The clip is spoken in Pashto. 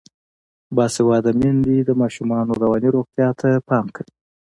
باسواده میندې د ماشومانو رواني روغتیا ته پام کوي.